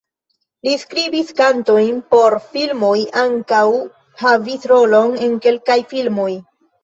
Li skribis kantojn por filmoj, ankaŭ havis rolon en kelkaj filmoj.